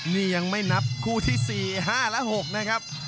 นี่ยังไม่นับคู่ที่๔๕และ๖นะครับ